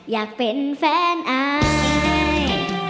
อยากเป็นแฟนอาย